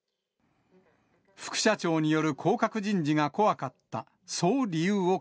副社長による降格人事が怖か